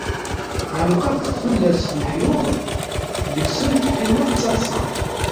Ɛelqeɣ tullas ɣef leḥyuḍ, deg-sent qqimeɣ ttaḍseɣ.